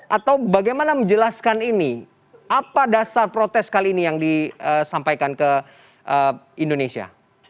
atau bagaimana menjelaskan ini apa dasar protes kali ini yang disampaikan ke indonesia